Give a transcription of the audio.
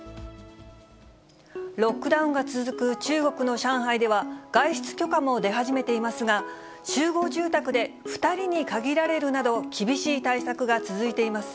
ロックダウンが続く中国の上海では、外出許可も出始めていますが、集合住宅で２人に限られるなど、厳しい対策が続いています。